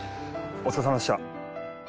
お疲れさまでした。